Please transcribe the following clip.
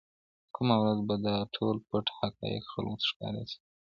کومه ورځ به دا ټول پټ حقايق خلګو ته ښکاره سي.